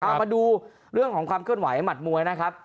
เอามาดูเรื่องของความเคลื่อนไหวหมัดมวยนะครับ